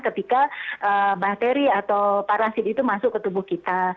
ketika bakteri atau parasit itu masuk ke tubuh kita